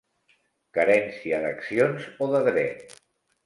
Carència d'accions o de dret.